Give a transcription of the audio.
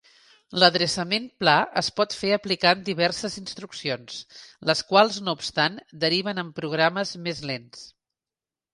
L'adreçament pla es pot fer aplicant diverses instruccions, les quals no obstant deriven en programes més lents.